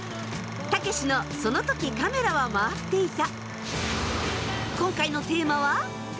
「たけしのその時カメラは回っていた」。